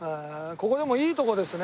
ここでもいいとこですね。